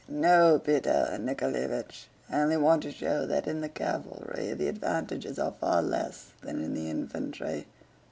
"No, Peter Nikoláevich; I only want to show that in the cavalry the advantages are far less than in the infantry.